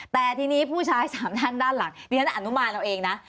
แต่ทีนี้ผู้ชาย๓ท่านด้านหลังดิฉันอนุมานเอาเองนะ